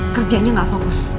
kerjanya gak fokus